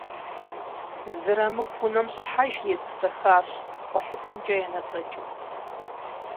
Зырамыку унэм щӏыхьэжри етӏысэхащ, гъуэлъыпӏэмкӏэ енэцӏэкӏыу.